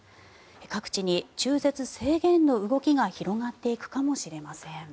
各地に中絶制限の動きが広がっていくかもしれません。